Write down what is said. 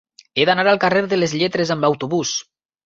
He d'anar al carrer de les Lletres amb autobús.